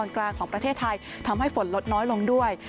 กลางของประเทศไทยทำให้ฝนลดน้อยลงด้วย